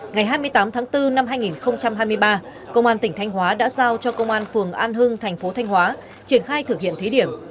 ngày hai mươi tám tháng bốn năm hai nghìn hai mươi ba công an tỉnh thanh hóa đã giao cho công an phường an hưng thành phố thanh hóa triển khai thực hiện thí điểm